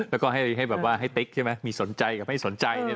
แล้วก็ให้ติ๊กใช่ไหมมีสนใจกับไม่สนใจ